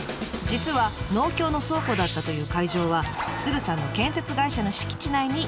実は農協の倉庫だったという会場は鶴さんの建設会社の敷地内に今はあります。